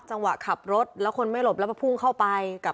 จังหวะขับรถแล้วคนไม่หลบแล้วมาพุ่งเข้าไปกับ